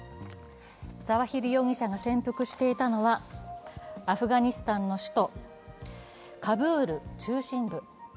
ザワヒリ容疑者が潜伏していたのは、アフガニスタンの首都、カブール中心部。